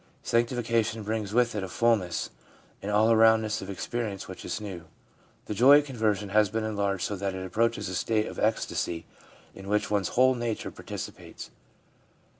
Sanctification brings with it a fulness, an all aroundness of experience which is new. The joy at conversion has been enlarged so that it approaches a state of ecstasy in which one's whole nature participates.